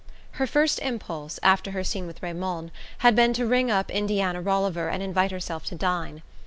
Her first impulse, after her scene with Raymond, had been to ring up Indiana Rolliver and invite herself to dine.